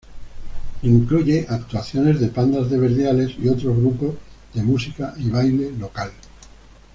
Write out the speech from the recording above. Incluye actuaciones de pandas de verdiales y otros grupos de música y baile local.